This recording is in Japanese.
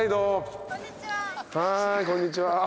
はいこんにちは。